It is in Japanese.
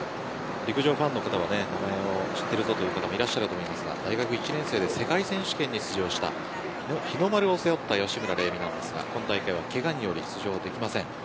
陸上ファンの方は知っている方もいらっしゃると思いますが大学１年生で世界選手権に出場した日の丸を背負った吉村ですが今大会は、けがにより出場できません。